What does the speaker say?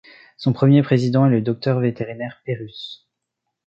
Son premier président est le docteur vétérinaire Pérus.